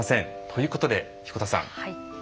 ということで彦田さん。